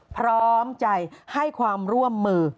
พร้อมใจให้ความร่วมมือ